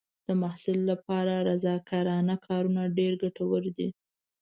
د محصل لپاره رضاکارانه کارونه ډېر ګټور دي.